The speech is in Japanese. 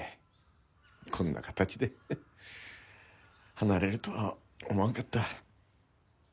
こんな形で離れるとは思わんかった。